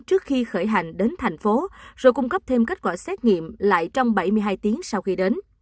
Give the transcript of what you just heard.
trước khi khởi hành đến thành phố rồi cung cấp thêm kết quả xét nghiệm lại trong bảy mươi hai tiếng sau khi đến